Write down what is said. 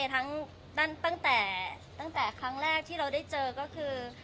ตั้งแต่ครั้งแรกที่เราได้เจอก็คือ